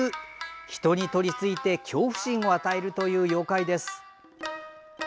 人にとりついて、恐怖心を与えるという妖怪です。